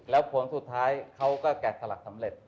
แล้วผลสุดท้ายเขาก็แกะสลักสำเร็จ